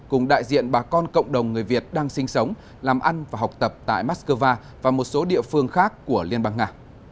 cùng đại diện bà con cộng đồng người việt đang sinh sống làm ăn và học tập tại moscow và một số địa phương khác của liên bang nga